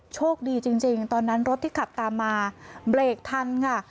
โชคดีจริงตอนนั้นรถที่ขับตามมาเบรกทันค่ะ